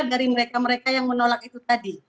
dan juga untuk mereka mereka yang menolak itu tadi